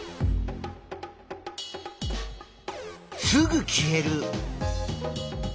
すぐ消える。